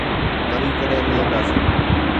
وري ڪڏھن ملنداسين.